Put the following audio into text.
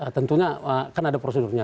tentunya kan ada prosedurnya